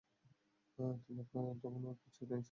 তিলক এখন ওর পিছু নিয়েছে।